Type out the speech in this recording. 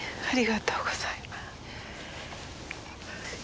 ありがとうございます。